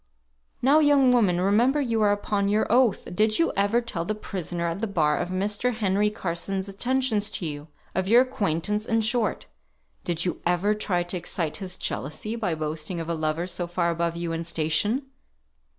"Now, young woman, remember you are upon your oath. Did you ever tell the prisoner at the bar of Mr. Henry Carson's attentions to you? of your acquaintance, in short? Did you ever try to excite his jealousy by boasting of a lover so far above you in station?"